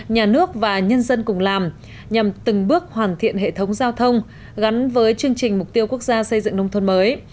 nhân dân cùng làm nhằm từng bước hoàn thiện hệ thống giao thông gắn với chương trình mục tiêu quốc gia xây dựng nông thôn mới